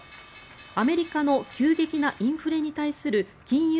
アメリカの急激なインフレに対する金融